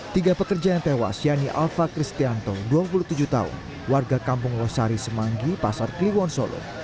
tiga pekerja yang tewas yani alfa kristianto dua puluh tujuh tahun warga kampung losari semanggi pasar kliwon solo